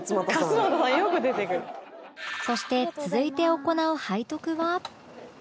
そして続いて行う背徳は